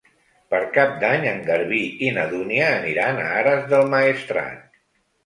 Per Cap d'Any en Garbí i na Dúnia aniran a Ares del Maestrat.